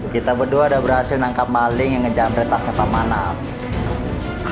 kita berdua udah berhasil nangkap maling yang ngejamret tasnya pak manak